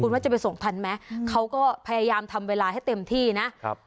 ว่าจะไปส่งทันไหมเขาก็พยายามทำเวลาให้เต็มที่นะครับ